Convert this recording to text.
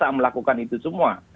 terpaksa melakukan itu semua